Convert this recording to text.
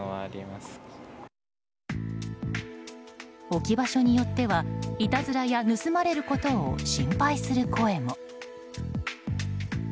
置き場所によってはいたずらや盗まれることを心配する声も。